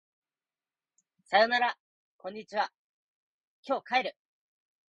さよならこんにちは今日帰る